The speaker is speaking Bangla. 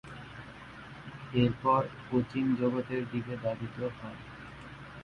এরপর, কোচিং জগতের দিকে ধাবিত হন।